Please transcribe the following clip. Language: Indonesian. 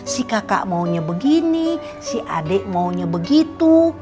si kakak maunya begini si adik maunya begitu